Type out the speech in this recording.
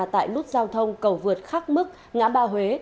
tại nút giao thông cầu vượt khắc mức ngã ba huế